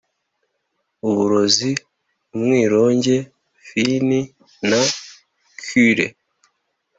uburozi, umwironge, fin, na quill